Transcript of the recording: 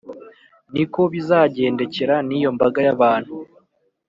Ni ko bizagendekera n’iyo mbaga y’abantu,